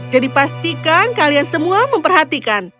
jadi pastikan kalian semua memperhatikan